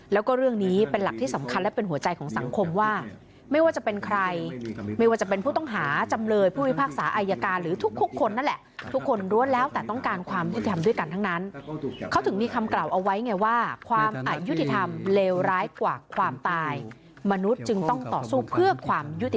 แล้วก็เรื่องนี้เป็นหลักที่สำคัญและเป็นหัวใจของสังคมว่าไม่ว่าจะเป็นใครไม่ว่าจะเป็นผู้ต้องหาจำเลยผู้พิพากษาอายการหรือทุกคนนั่นแหละทุกคนล้วนแล้วแต่ต้องการความยุติธรรมด้วยกันทั้งนั้นเขาถึงมีคำกล่าวเอาไว้ไงว่าความอายุติธรรมเลวร้ายกว่าความตายมนุษย์จึงต้องต่อสู้เพื่อความยุติ